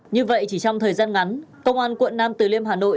như vậy chỉ trong thời gian ngắn công an quận nam từ liêm hà nội